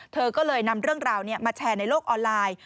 เธอก็เลยนำเรื่องราวมาแชร์ในโลกออนไลน์